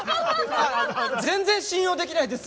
全然信用できないです。